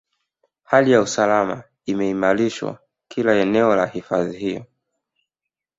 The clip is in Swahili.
Hali ya usalama imeimarishwa kila eneo la hifadhi hiyo